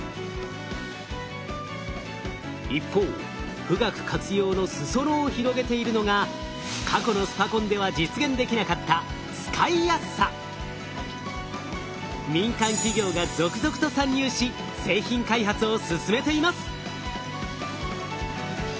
一方富岳活用の裾野を広げているのが過去のスパコンでは実現できなかった民間企業が続々と参入し製品開発を進めています。